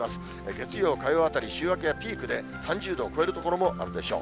月曜、火曜あたり、週明けはピークで、３０度を超える所もあるでしょう。